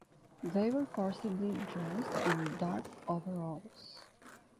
They were forcibly dressed in dark overalls.